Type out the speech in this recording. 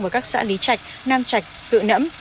và các xã lý trạch nam trạch hựa nẫm